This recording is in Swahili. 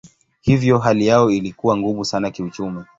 Hivyo hali yao ilikuwa ngumu sana kiuchumi.